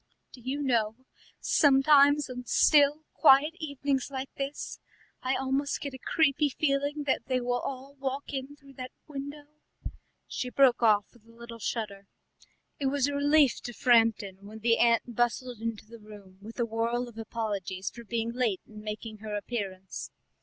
Do you know, sometimes on still, quiet evenings like this, I almost get a creepy feeling that they will all walk in through that window—" She broke off with a little shudder. It was a relief to Framton when the aunt bustled into the room with a whirl of apologies for being late in making her appearance.